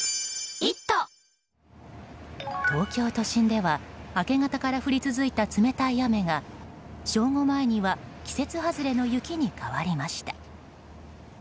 東京都心では明け方から降り続いた冷たい雨が正午前には季節外れの雪に変わりました。